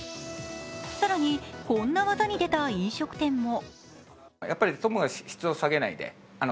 更にこんな技に出た飲食店も。